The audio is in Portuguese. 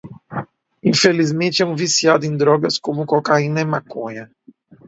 Infelizmente é um viciado em drogas como cocaína e maconha